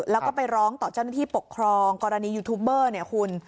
แล้วก็ไปร้องต่อเจ้าหน้าที่ปกครองกรณียูทูบเบอร์เนี่ยคุณ